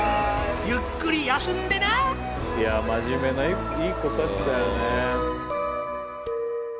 ゆっくり休んでな真面目ないい子たちだよね。